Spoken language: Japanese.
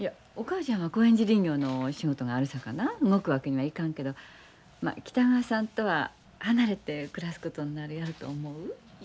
お母ちゃんは興園寺林業の仕事があるさかな動くわけにはいかんけどま北川さんとは離れて暮らすことになるやろと思う。